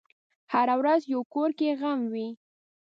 هره ورځ یو کور کې غم وي.